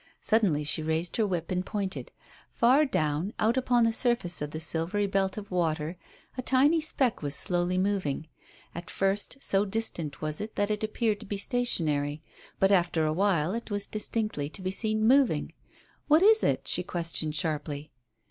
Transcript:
Suddenly she raised her whip and pointed. Far down, out upon the surface of the silvery belt of water, a tiny speck was slowly moving. At first so distant was it that it appeared to be stationary, but after a while it was distinctly to be seen moving. "What is it?" she questioned sharply.